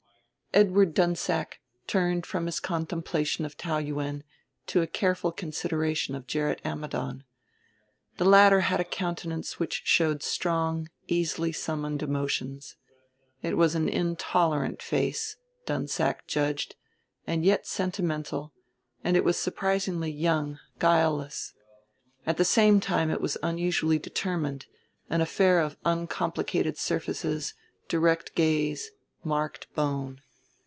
Edward Dunsack turned from his contemplation of Taou Yuen to a careful consideration of Gerrit Ammidon. The latter had a countenance which showed strong, easily summoned emotions. It was an intolerant face, Dunsack judged, and yet sentimental; and it was surprisingly young, guileless. At the same time it was unusually determined an affair of uncomplicated surfaces, direct gaze, marked bone.